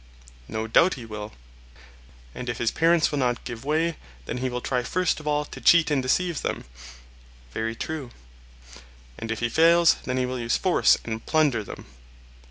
No doubt he will. And if his parents will not give way, then he will try first of all to cheat and deceive them. Very true. And if he fails, then he will use force and plunder them.